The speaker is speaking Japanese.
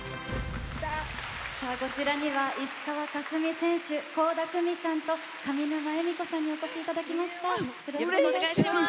こちらには石川佳純選手、倖田來未さんと上沼恵美子さんにお越しいただきました。